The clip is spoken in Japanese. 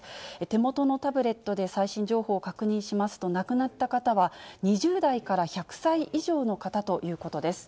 手元のタブレットで最新情報を確認しますと、亡くなった方は２０代から１００歳以上の方ということです。